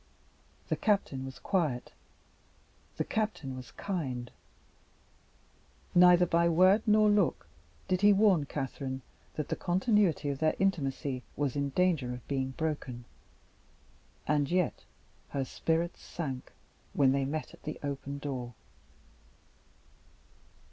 The Captain was quiet, the Captain was kind; neither by word nor look did he warn Catherine that the continuity of their intimacy was in danger of being broken and yet, her spirits sank, when they met at the open door.